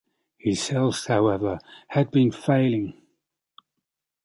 His health, however, had been failing.